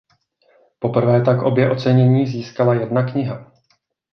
Poprvé tak obě ocenění získala jedna kniha.